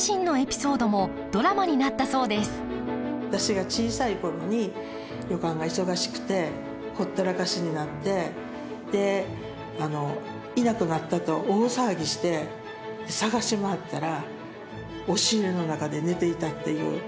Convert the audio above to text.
私が小さい頃に旅館が忙しくてほったらかしになってでいなくなったと大騒ぎして捜し回ったら押し入れの中で寝ていたっていう。